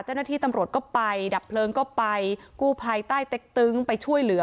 เจ้าหน้าที่ตำรวจก็ไปดับเพลิงก็ไปกู้ภัยใต้เต็กตึงไปช่วยเหลือ